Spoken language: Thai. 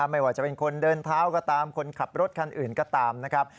ไม่ว่าจะเป็นคนเดินเท้าก็ตามคนขับรถคันอื่นก็ตามนะครับ